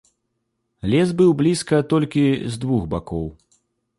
Лес быў блізка толькі з двух бакоў.